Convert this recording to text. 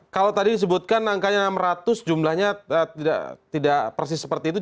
kalau tadi disebutkan angkanya enam ratus jumlahnya tidak persis seperti itu